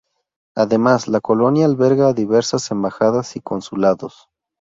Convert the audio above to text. Además, la colonia alberga a diversas embajadas y consulados.